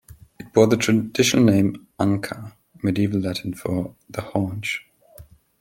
It bore the traditional name "Ancha"; Medieval Latin for "the haunch".